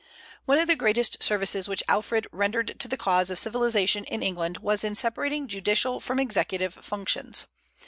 One of the greatest services which Alfred rendered to the cause of civilization in England was in separating judicial from executive functions.